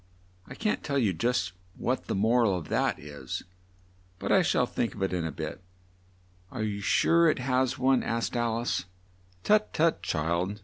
I can't tell you just now what the mor al of that is, but I shall think of it in a bit." "Are you sure it has one?" asked Al ice. "Tut, tut, child!"